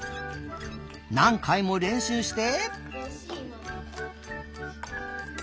なんかいもれんしゅうして。